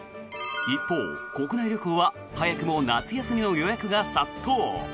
一方、国内旅行は早くも夏休みの予約が殺到。